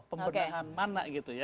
pembernahan mana gitu ya